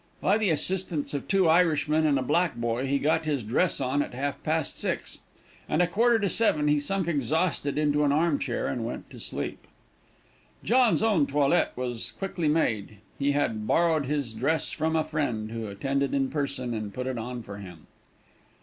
By the assistance of two Irishmen and a black boy he got his dress on at half past six; and at a quarter to seven he sunk exhausted into a arm chair, and went to sleep. John's own toilette was quickly made; he had borrowed his dress from a friend, who attended in person to put it on for him.